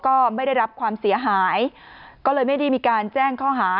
ก็ไม่ได้รับความเสียหายก็เลยไม่ได้มีการแจ้งข้อหา